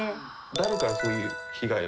誰からそういう被害は？